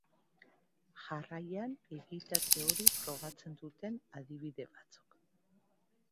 Jarraian, egitate hori frogatzen duten adibide batzuk.